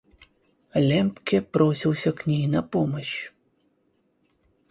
Лембке бросился к ней на помощь.